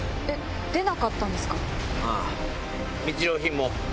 出なかったんですか？